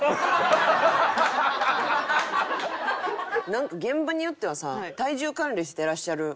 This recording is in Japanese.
なんか現場によってはさ体重管理してらっしゃる方も多い時あるやん